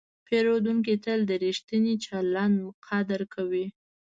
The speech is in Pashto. پیرودونکی تل د ریښتیني چلند قدر کوي.